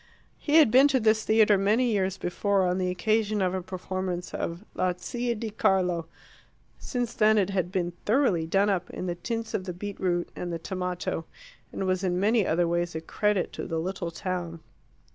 He had been to this theatre many years before, on the occasion of a performance of "La Zia di Carlo." Since then it had been thoroughly done up, in the tints of the beet root and the tomato, and was in many other ways a credit to the little town.